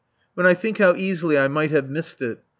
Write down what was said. When I think how easily I might have missed it!